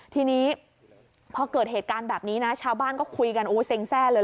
ทีนี้พอเกิดเหตุการณ์แบบนี้นะชาวบ้านก็คุยกันโอ้เซ็งแร่เลย